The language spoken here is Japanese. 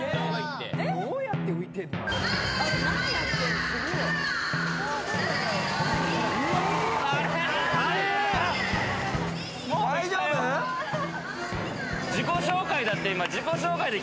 大丈夫？自己紹介だって。